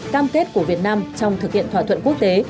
cam kết của việt nam trong thực hiện thỏa thuận quốc tế